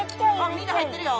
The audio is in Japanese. みんな入ってるよ。